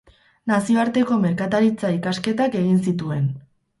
Nazioarteko merkataritza ikasketak egin zituen.